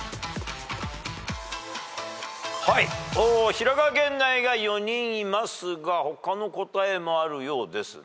「平賀源内」が４人いますが他の答えもあるようですね。